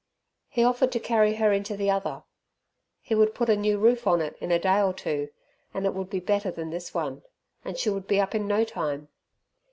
He offered to carry her into the other; he would put a new roof on it in a day or two, and it would be better than this one, and she would be up in no time.